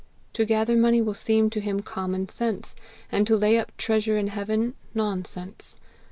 To gather money will seem to him common sense, and to lay up treasure in heaven nonsense.